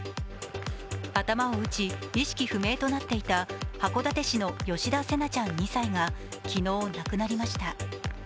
頭を打ち、意識不明となっていた函館市の吉田成那ちゃん２歳が昨日、亡くなりました。